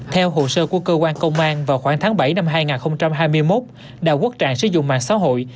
theo hồ sơ của cơ quan công an vào khoảng tháng bảy năm hai nghìn hai mươi một đào quốc trạng sử dụng mạng xã hội